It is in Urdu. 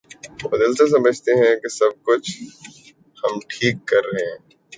وہ دل سے سمجھتے ہیں کہ یہ سب کچھ ہم ٹھیک کر رہے ہیں۔